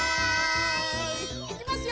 いきますよ。